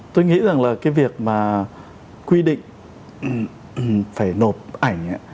tôi nghĩ rằng là cái việc mà quy định phải nộp ảnh